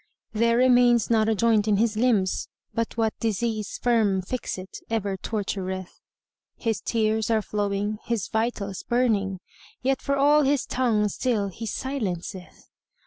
There remains not a joint in his limbs, but what * Disease firm fixt ever tortureth. His tears are flowing, his vitals burning; * Yet for all his tongue still he silenceth.